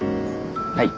はい。